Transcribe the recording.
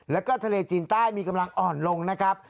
แล้วก็ทะเลจีนใต้มีกำลังอ่อนลงนะครับ